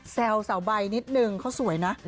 แซวสาวใบนิดนึงเขาสวยนะ